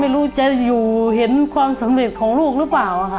ไม่รู้จะอยู่เห็นความสำเร็จของลูกหรือเปล่าค่ะ